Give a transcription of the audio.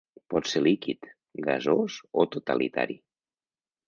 Pot ser líquid, gasós o totalitari.